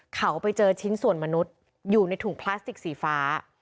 เขาไปเจอชิ้นส่วนมนุษย์อยู่ในถุงพลาสติกสีฟ้า